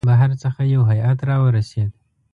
بهر څخه یو هیئات را ورسېد.